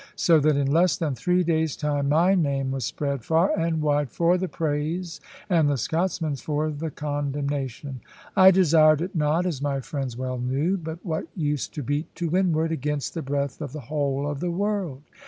So that in less than three days' time, my name was spread far and wide for the praise, and the Scotchman's for the condemnation. I desired it not, as my friends well knew; but what use to beat to windward, against the breath of the whole of the world?